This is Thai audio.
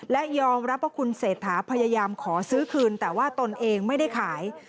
และยอมรับว่าคุณเศรษฐาพยายามขอซื้อคืนแต่ว่าตนเองไม่ได้ขาย